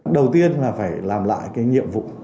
đầu tiên là phải làm lại cái nhiệm vụ